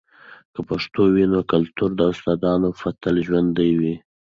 که پښتو وي، نو کلتوري داستانونه به تل ژوندۍ وي.